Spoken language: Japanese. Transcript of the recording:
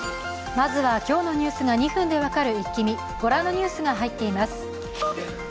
まずは今日のニュースが２分で分かるイッキ見、ご覧のニュースが入っています。